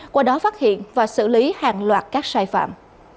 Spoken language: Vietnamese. qua đó phát hiện và xử lý hàng loạt các sai phạm